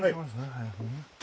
はい。